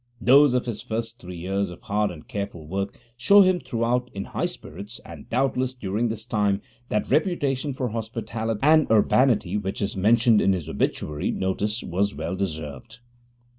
Those of his first three years of hard and careful work show him throughout in high spirits, and, doubtless, during this time, that reputation for hospitality and urbanity which is mentioned in his obituary notice was well deserved.